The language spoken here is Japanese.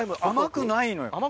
甘くない。